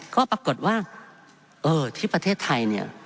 ก็ปรากฏว่าที่ประเทศไทย